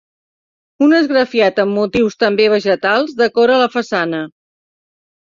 Un esgrafiat amb motius també vegetals, decora la façana.